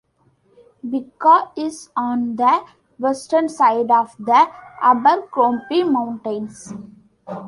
Bigga is on the western side of the Abercrombie Mountains.